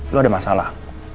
lo ada masalah